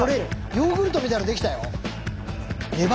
ヨーグルトみたいのできたよ。